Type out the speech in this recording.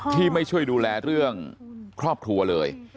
ที่ไม่ช่วยดูแลเรื่องครอบครัวเลย